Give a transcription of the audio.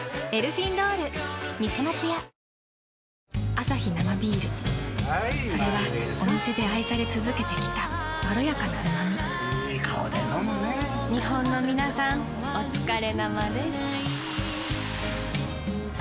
アサヒ生ビールそれはお店で愛され続けてきたいい顔で飲むね日本のみなさんおつかれ生です。